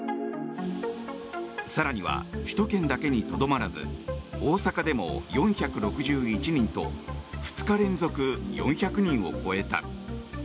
更には、首都圏だけにとどまらず大阪でも４６１人と２日連続４００人を超えた。